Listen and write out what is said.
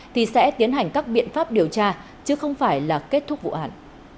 thì sẽ tiến hành các biện pháp điều tra chứ không phải là kết thúc vụ án